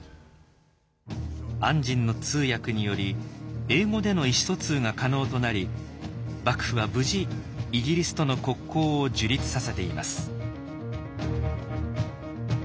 按針の通訳により英語での意思疎通が可能となり幕府は無事イギリスとの国交を樹立させています。